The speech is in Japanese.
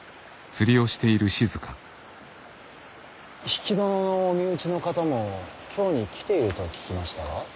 比企殿のお身内の方も京に来ていると聞きましたが。